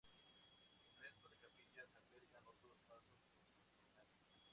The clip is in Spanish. El resto de capillas albergan otros pasos procesionales.